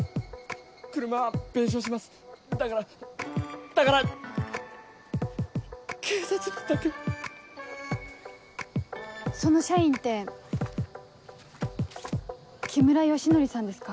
車は弁償しますだからだから警察にだけはその社員って木村良徳さんですか？